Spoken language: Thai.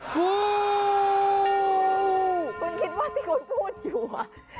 คุณคิดว่าที่คุณพูดหัว